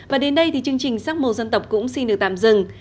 và đến đây thì chương trình sắc màu dân tộc cũng xin được tạm dừng